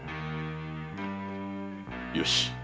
よし。